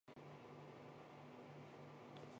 很多人则继续把它当成国际或超国家团结的标志。